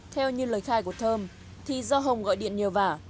theo như lời khai của thơm thì do hồng gọi điện nhiều vả